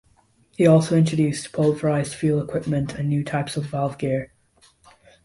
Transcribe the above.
He also introduced pulverised fuel equipment and new types of valve gear.